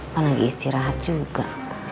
kan lagi istirahat juga